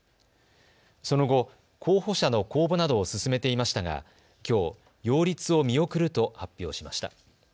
その後、候補者の公募などを進めていましたがきょう擁立を見送ると発表しました。